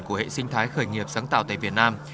của hệ sinh thái khởi nghiệp sáng tạo tại việt nam